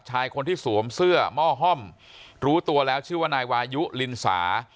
ชายคนที่สวมเสื้อหม้อห้อมรู้ตัวแล้วชื่อว่านายวายุลินสา